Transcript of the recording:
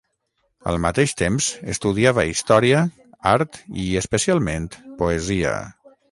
Al mateix temps, estudiava història, art i, especialment, poesia.